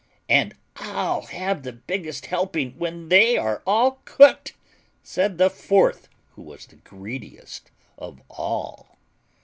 "And I'll have the biggest helping when they are all cooked," said the fourth, who was the greediest of all.